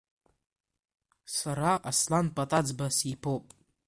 Сара Аслан Патаӡба сиԥоуп!